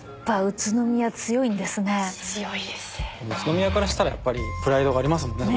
宇都宮からしたらやっぱりプライドがありますもんね